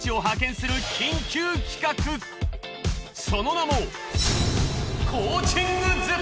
その名も。